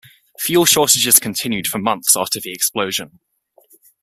Fuel shortages continued for months after the explosion.